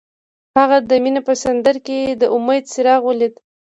هغه د مینه په سمندر کې د امید څراغ ولید.